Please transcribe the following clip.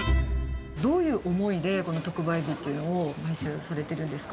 どういう思いで、この特売日っていうのを毎週されてるんですか？